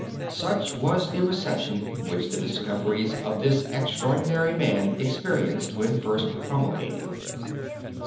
Such was the reception which the discoveries of this extraordinary man experienced when first promulgated.